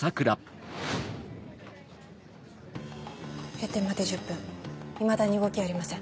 閉店まで１０分いまだに動きはありません。